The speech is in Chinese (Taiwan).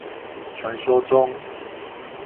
傳說中